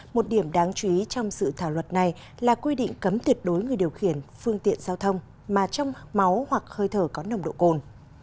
một điểm đáng chú ý trong sự thảo luật này là quy định cấm tuyệt đối người điều khiển phương tiện giao thông mà trong máu hoặc hơi thở có nồng độ cồn